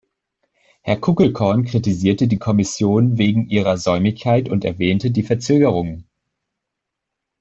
Herr Kuckelkorn kritisierte die Kommission wegen ihrer Säumigkeit und erwähnte die Verzögerungen.